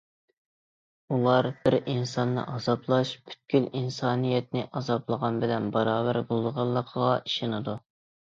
ئۇلار، بىر ئىنساننى ئازابلاش پۈتكۈل ئىنسانىيەتنى ئازابلىغان بىلەن باراۋەر بولىدىغانلىقىغا ئىشىنىدۇ.